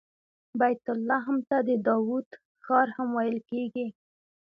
بیت لحم ته د داود ښار هم ویل کیږي.